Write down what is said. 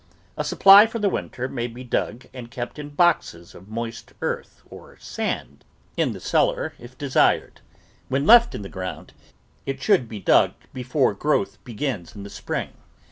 A supply for the winter may be dug and kept in boxes of moist earth or sand in the cellar if desired. When left in the ground, it should be dug before growth begins in the spring.